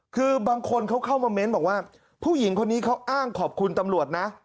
คือบางคนเขาเข้ามาเม้นบอกว่าผู้หญิงคนนี้เขาอ้างขอบคุณตำรวจนะ